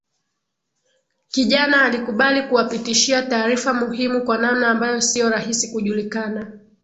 Kijana alikubali kuwapitishia taarifa muhimu kwa namna ambayo siyo rahisi kujulikana